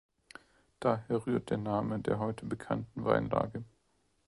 Daher rührt der Name der heute bekannten Weinlage.